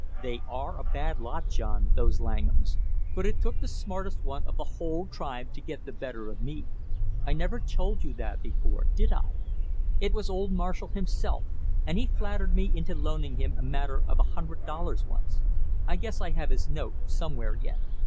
"They are a bad lot, John, those Langhams, but it took the smartest one of the whole tribe to get the better of me. I never told you that before, did I? It was old Marshall himself, and he flattered me into loaning him a matter of a hundred dollars once; I guess I have his note somewhere yet.